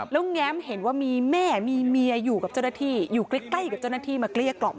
แล้วแง้มเห็นว่ามีแม่มีเมียอยู่กับเจ้าหน้าที่อยู่ใกล้กับเจ้าหน้าที่มาเกลี้ยกล่อม